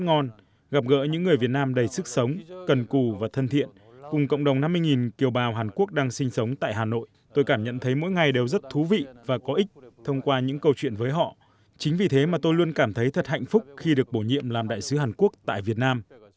mỗi ngày tôi được thưởng thức những món ăn việt nam rất là tốt gặp gỡ những người việt nam đầy sức sống cần cù và thân thiện cùng cộng đồng năm mươi kiều bào hàn quốc đang sinh sống tại hà nội tôi cảm nhận thấy mỗi ngày đều rất thú vị và có ích thông qua những câu chuyện với họ chính vì thế mà tôi luôn cảm thấy thật hạnh phúc khi được bổ nhiệm làm đại sứ hàn quốc tại việt nam